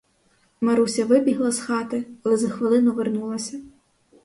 Маруся вибігла з хати, але за хвилину вернулася.